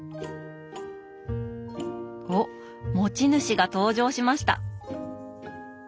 おっ持ち主が登場しました。